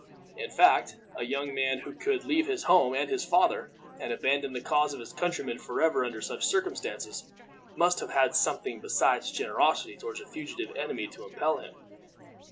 In fact, a young man who could leave his home and his father, and abandon the cause of his countrymen forever under such circumstances, must have had something besides generosity toward a fugitive enemy to impel him.